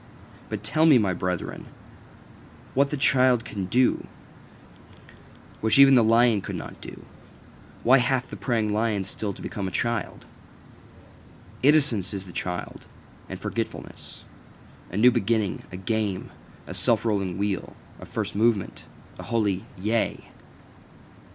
But tell me, my brethren, what the child can do, which even the lion could not do? Why hath the preying lion still to become a child? Innocence is the child, and forgetfulness, a new beginning, a game, a self rolling wheel, a first movement, a holy Yea.